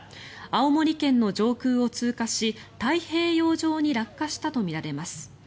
青森県の上空を通過し太平洋上に落下したとみられます。